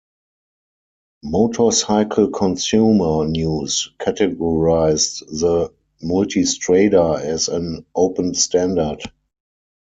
Motorcycle Consumer News categorised the Multistrada as an "Open Standard".